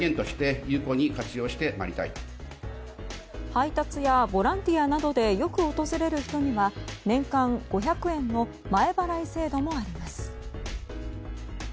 配達やボランティアなどでよく訪れる人には１年間５００円の前払い制度もあります。